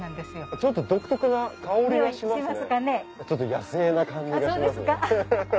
ちょっと野生な感じがしますハハハ！